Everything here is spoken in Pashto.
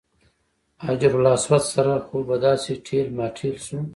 حجر اسود سره خو به داسې ټېل ماټېل شو.